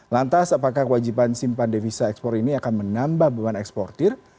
lantas apakah kewajiban simpan devisa ekspor ini akan menambah beban eksportir